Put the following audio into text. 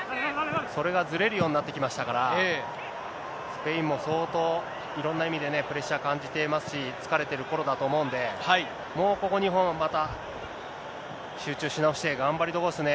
それがずれるようになってきましたから、スペインも相当、いろんな意味でね、プレッシャー感じていますし、疲れてるころだと思うんで、もうここ日本、また集中し直して、頑張りどころですね。